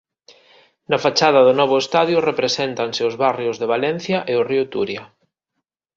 Na fachada do novo estadio represéntanse os barrios de Valencia e o río Turia.